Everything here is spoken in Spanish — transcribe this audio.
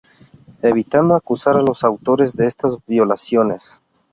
Evitando acusar a los autores de estas violaciones